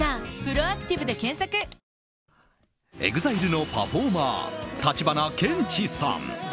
ＥＸＩＬＥのパフォーマー橘ケンチさん。